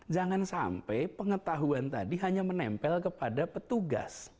jangan sampai pengetahuan tadi hanya menempel kepada petugas